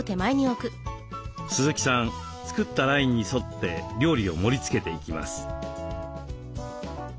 鈴木さん作ったラインに沿って料理を盛りつけていきます。